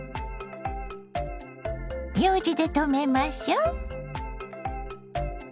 ようじでとめましょ。